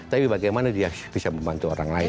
tapi bagaimana dia bisa membantu orang lain